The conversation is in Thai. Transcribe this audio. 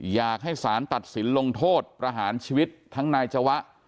อยากให้สารตัดสินลงโทษประหารชีวิตทั้งนายจวะ